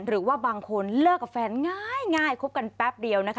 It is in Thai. หรือว่าบางคนเลิกกับแฟนง่ายคบกันแป๊บเดียวนะคะ